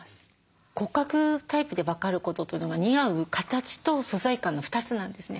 骨格タイプで分かることというのが似合う形と素材感の２つなんですね。